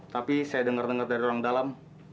tapi saya dengar dengar dari orang dalam